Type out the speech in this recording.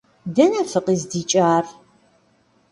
Дэнэ фыкъыздикӀар?